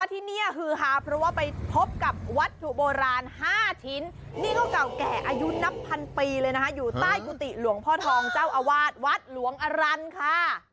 ที่นี่ฮือฮาเพราะว่าไปพบกับวัตถุโบราณ๕ชิ้นนี่ก็เก่าแก่อายุนับพันปีเลยนะคะอยู่ใต้กุฏิหลวงพ่อทองเจ้าอาวาสวัดหลวงอรันค่ะ